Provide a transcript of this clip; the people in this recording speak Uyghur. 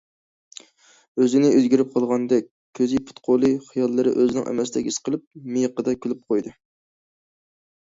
ئۆزىنى ئۆزگىرىپ قالغاندەك، كۆزى، پۇت- قولى، خىياللىرى ئۆزىنىڭ ئەمەستەك ھېس قىلىپ، مىيىقىدا كۈلۈپ قويدى.